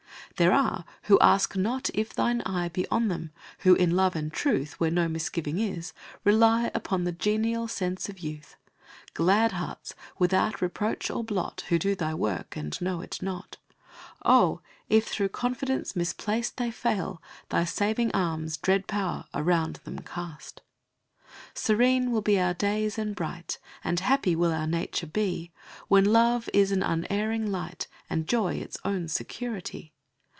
There are who ask not if thine eye Be on them; who, in love and truth Where no misgiving is, rely Upon the genial sense of youth: Glad hearts! without reproach or blot, Who do thy work, and know it not: Oh! if through confidence misplaced They fail, thy saving arms, dread Power! around them cast. Serene will be our days and bright And happy will our nature be When love is an unerring light, And joy its own security.